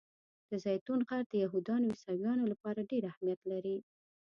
د زیتون غر د یهودانو او عیسویانو لپاره ډېر اهمیت لري.